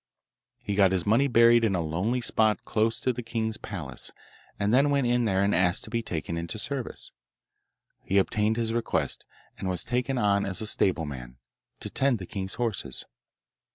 He got his money buried in a lonely spot close to the king's palace, and then went in there and asked to be taken into service. He obtained his request, and was taken on as stableman, to tend the king's horses.